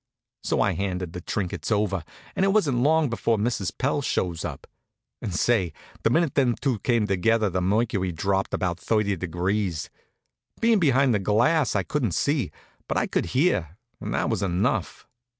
So I handed the trinkets over, and it wasn't long before Mrs. Pell shows up. And say, the minute them two came together the mercury dropped about thirty degrees. Bein' behind the glass, I couldn't see; but I could hear, and that was enough.